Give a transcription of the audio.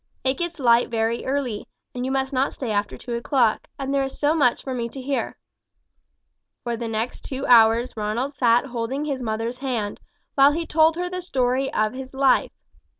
"It gets light very early, and you must not stay after two o'clock, and there is so much for me to hear." For the next two hours Ronald sat holding his mother's hand, while he told her the story of his life.